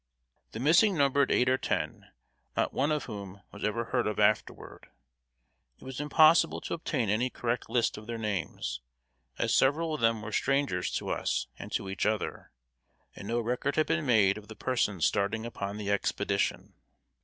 ] The missing numbered eight or ten, not one of whom was ever heard of afterward. It was impossible to obtain any correct list of their names, as several of them were strangers to us and to each other; and no record had been made of the persons starting upon the expedition.